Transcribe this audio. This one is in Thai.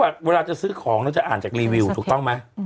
ทดลองแล้วจะอ่านจากรีวิวถูกต้องไหม